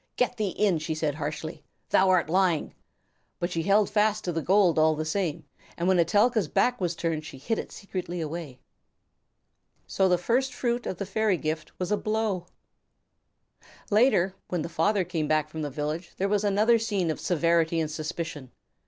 "Get thee in," she said harshly. "Thou are lying." But she held fast to the gold all the same, and when Etelka's back was turned she hid it secretly away. So the first fruit of the fairy gift was a blow! Later, when the father came back from the village, there was another scene of severity and suspicion.